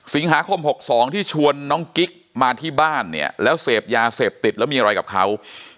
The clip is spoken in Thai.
สิงหาคม๖๒ที่ชวนน้องกิ๊กมาที่บ้านเนี่ยแล้วเสพยาเสพติดแล้วมีอะไรกับเขา